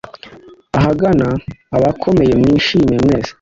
Ahagana abakomeye Mwishime mwese